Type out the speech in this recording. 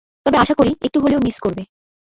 তবে আশা করি একটু হলেও মিস করবে।